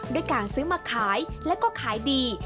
ด้วยการซื้อมาขายแล้วก็ขายดี